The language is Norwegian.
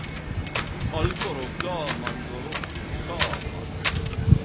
Alvor og gaman går ofte saman